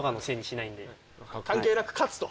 関係なく勝つと。